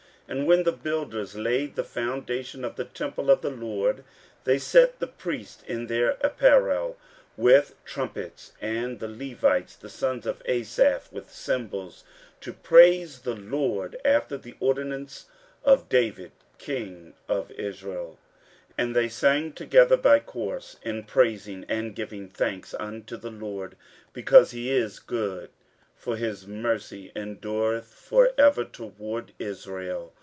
15:003:010 And when the builders laid the foundation of the temple of the LORD, they set the priests in their apparel with trumpets, and the Levites the sons of Asaph with cymbals, to praise the LORD, after the ordinance of David king of Israel. 15:003:011 And they sang together by course in praising and giving thanks unto the LORD; because he is good, for his mercy endureth for ever toward Israel.